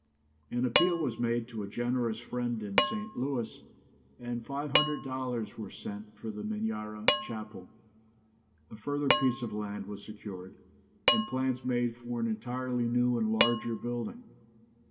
An appeal was made to a generous friend in St. Louis, and five hundred dollars were sent for the Minyara chapel. A further piece of land was secured, and plans made for an entirely new and larger building.